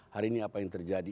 hari ini apa yang terjadi